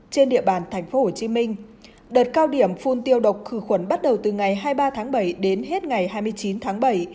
trên địa bàn tp hcm đợt cao điểm phun tiêu độc khử khuẩn bắt đầu từ ngày hai mươi ba tháng bảy đến hết ngày hai mươi chín tháng bảy